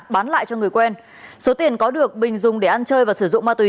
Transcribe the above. bán lại cho người quen số tiền có được bình dùng để ăn chơi và sử dụng ma túy